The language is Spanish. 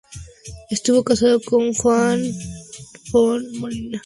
Estuvo casado con Juana Font Molina.